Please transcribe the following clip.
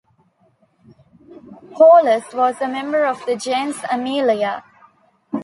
Paullus was a member of the gens Aemilia.